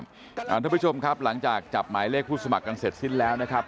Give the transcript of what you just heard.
ท่านผู้ชมครับหลังจากจับหมายเลขผู้สมัครกันเสร็จสิ้นแล้วนะครับ